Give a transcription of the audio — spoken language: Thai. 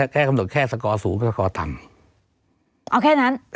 แค่กำหนดแค่สกสูงต่าง